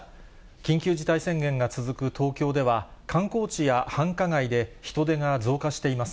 緊急事態宣言が続く東京では、観光地や繁華街で、人出が増加しています。